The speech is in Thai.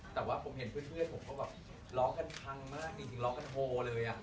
แต่ว่าผมเห็นเพื่อนผมก็แบบร้องกันพังมากจริงร้องกันโฮเลย